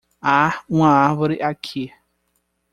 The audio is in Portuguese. Há uma árvore aqui